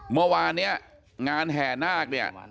เมื่อวานเนี่ยงานแห่นาคเนี่ย